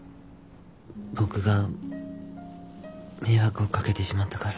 僕が迷惑をかけてしまったから。